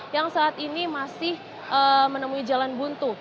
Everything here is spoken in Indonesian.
yang saat ini masih menemui jalan buntu